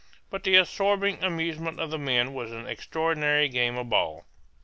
But the absorbing amusement of the men was an extraordinary game of ball.